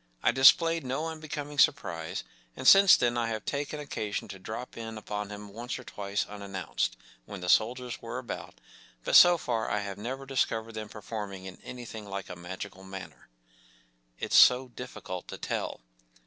” I displayed no unbecoming surprise, and since then I have taken occasion to drop in upon him once or twice, unannounced, when the soldiers were about, but so far I have never discovered them performing in any¬ thing like a magical manner. ... It’s so difficult to tell.